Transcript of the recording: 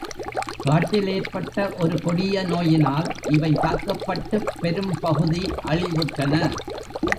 காட்டில் ஏற்பட்ட ஒரு கொடிய நோயினால் இவை தாக்கப்பட்டுப் பெரும் பகுதி அழிவுற்றன.